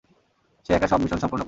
সে একা সব মিশন সম্পুর্ণ করে।